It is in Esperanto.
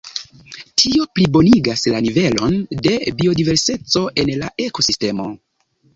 Tio plibonigas la nivelon de biodiverseco en la ekosistemo.